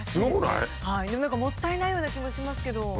でも何かもったいないような気もしますけど。